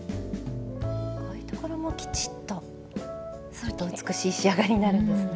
こういうところもきちっとすると美しい仕上がりになるんですね。